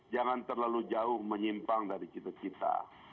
jangan terlalu jauh menyimpang dari cita cita